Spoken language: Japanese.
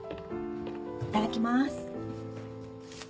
いただきます。